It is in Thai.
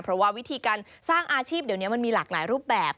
เพราะว่าวิธีการสร้างอาชีพเดี๋ยวนี้มันมีหลากหลายรูปแบบ